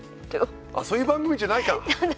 そういう番組じゃないかすいません。